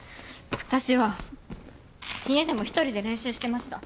私は家でも一人で練習してました。